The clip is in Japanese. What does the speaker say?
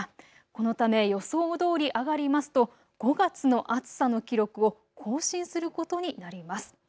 このため予想どおり上がりますと５月の暑さの記録を更新することになります。